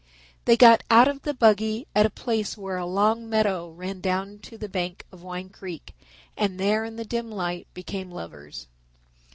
They got out of the buggy at a place where a long meadow ran down to the bank of Wine Creek and there in the dim light became lovers.